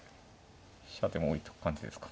飛車でも置いとく感じですか。